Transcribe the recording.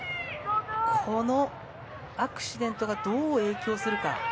このアクシデントがどう影響するか。